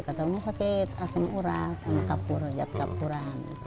kata ibu sakit asam urat jat kapuran